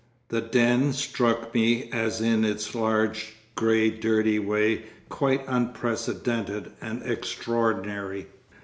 The den struck me as in its large grey dirty way quite unprecedented and extraordinary.